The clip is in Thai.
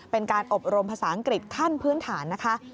เป็นการอบรมภาษาอังกฤษขั้นพื้นฐานนะคะ